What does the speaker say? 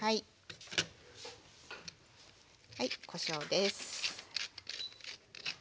はいこしょうです。